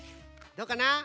どうかな？